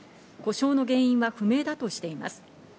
故障の原因は不明だとしています。